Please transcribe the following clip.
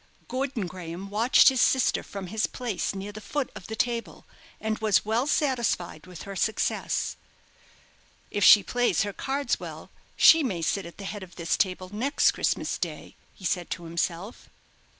Gordon Graham watched his sister from his place near the foot of the table, and was well satisfied with her success. "If she plays her cards well she may sit at the head of this table next Christmas day," he said to himself.